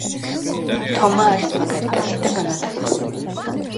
თომა არის მაგარი კაცი და განათლებული